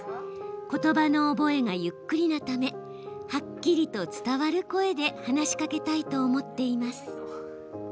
ことばの覚えがゆっくりなためはっきりと伝わる声で話しかけたいと思っています。